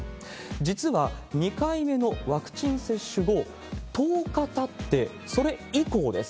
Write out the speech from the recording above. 実は２回目のワクチン接種後、１０日たって、それ以降です。